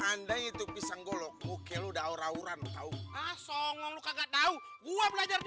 anda itu pisang golok oke lu udah aura auran tahu ah songo lu kagak tahu gua belajar di